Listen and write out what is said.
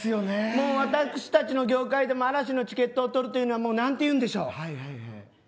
私たちの業界でも嵐のチケットを取るというのは何て言うんでしょう。